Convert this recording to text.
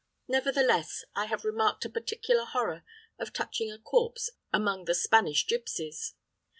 Nevertheless, I have remarked a particular horror of touching a corpse among the Spanish gipsies.